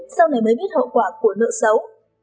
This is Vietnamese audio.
sau này mới biết hậu quả của nợ xấu